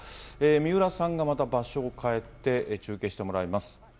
三浦さんがまた場所を変えて中継してもらいます。